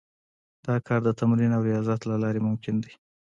دا کار د تمرین او ریاضت له لارې ممکن دی